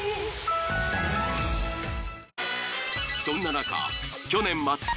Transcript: そんな中去年末